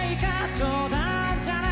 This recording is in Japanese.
冗談じゃない！」